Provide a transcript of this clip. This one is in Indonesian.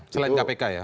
selain kpk ya